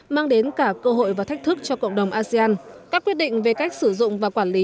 mang đến cả cơ hội và thách thức cho cộng đồng asean các quyết định về cách sử dụng và quản lý